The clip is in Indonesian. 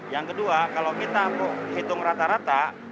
yang kedua kalau kita hitung rata rata